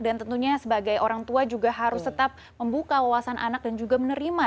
dan tentunya sebagai orang tua juga harus tetap membuka wawasan anak dan juga menerima